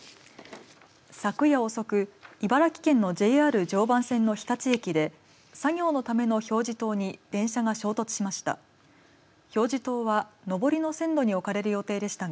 昨夜遅く茨城県のＪＲ常磐線の日立駅で作業のための表示灯に電車が衝突しました。